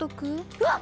うわっ！